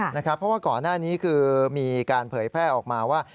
เพราะว่าก่อนหน้านี้คือมีการเผยแพร่ออกมาว่า